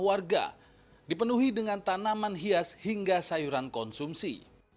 warga dipenuhi dengan tanaman hias hingga sayuran konsumsi